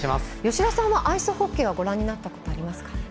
吉田さんはアイスホッケーご覧になったことありますか？